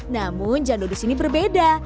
namun jando di sini berbeda